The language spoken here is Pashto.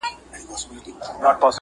زیارت کوم نه را رسیږي،